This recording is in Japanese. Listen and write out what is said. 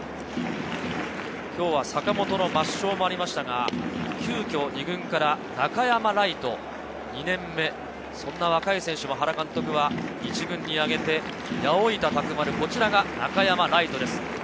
今日は坂本の抹消もありましたが、急きょ２軍から中山礼都、２年目、そんな若い選手も原監督は１軍に上げて、八百板卓丸、こちらが中山礼都です。